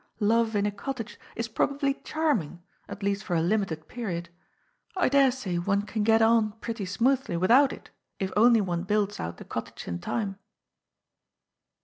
Love in a cottage is probably charming — at least for a limited period. I dare say one can get on pretty smoothly without it, if only one builds out the cottage in time."